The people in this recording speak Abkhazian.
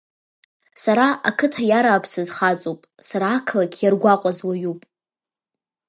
Сара ақыҭа иарааԥсаз хаҵоуп, сара ақалақь иаргәаҟыз уаҩуп.